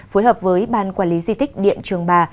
phối hợp với ban quản lý di tích điện trường bà